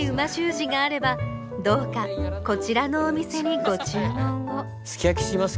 字があればどうかこちらのお店にご注文をすき焼きします